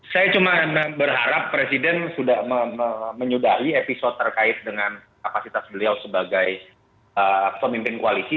saya cuma berharap presiden sudah menyudahi episode terkait dengan kapasitas beliau sebagai pemimpin koalisi